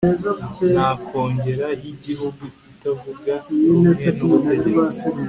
na Kongere yigihugu itavuga rumwe nubutegetsi